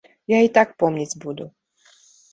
Я і так помніць буду.